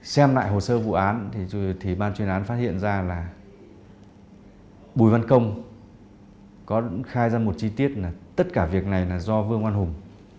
xem lại hồ sơ vụ án thì ban chuyên án phát hiện ra là bùi văn công có khai ra một chi tiết là tất cả việc này là do vương văn hùng